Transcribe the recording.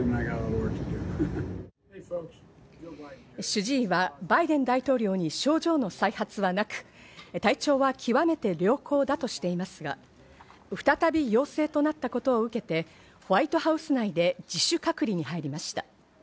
主治医はバイデン大統領に症状の再発はなく、体調は極めて良好だとしていますが、再び陽性となったことを受けて、ホワイトハウス内で自主隔離に入りました。